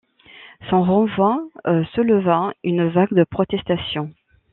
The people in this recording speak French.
Son renvoi souleva une vague de protestation.